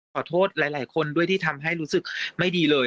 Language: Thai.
ขอโทษหลายคนด้วยที่ทำให้รู้สึกไม่ดีเลย